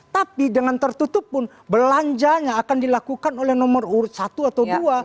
tapi dengan tertutup pun belanjanya akan dilakukan oleh nomor urut satu atau dua